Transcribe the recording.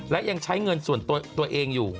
และยังใช้เงินส่วนตัวตัวเองอยู่